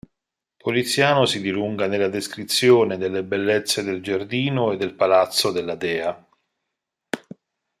Poliziano si dilunga nella descrizione delle bellezze del giardino e del palazzo della dea.